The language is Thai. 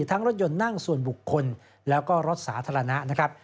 รถยนต์นั่งส่วนบุคคลแล้วก็รถสาธารณะนะครับ